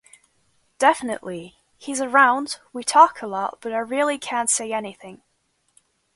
Definitely, he's around, we talk a lot, but I really can't say anything.